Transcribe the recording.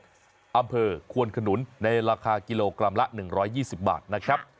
อำเภอควนขนุนในราคากิโลกรัมละ๑๒๐บาทนะครับ